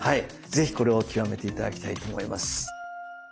是非これを極めて頂きたいと思います。